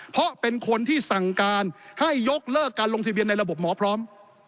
เพราะเป็นคนที่สั่งการให้ยกเลิกการลงทะเบียนในระบบหมอพร้อม